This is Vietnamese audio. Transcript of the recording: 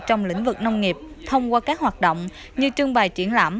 trong lĩnh vực nông nghiệp thông qua các hoạt động như trưng bày triển lãm